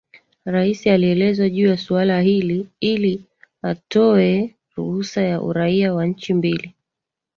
Rais alielezwa juu ya suala hili ilia toe ruhusa ya uraia wa nchi mbili